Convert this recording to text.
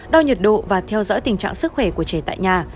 đo nhiệt độ và theo dõi tình trạng sức khỏe của trẻ tại nhà